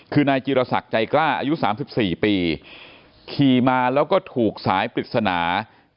คือนายจิรศักดิ์ใจกล้าอายุ๓๔ปีขี่มาแล้วก็ถูกสายปริศนา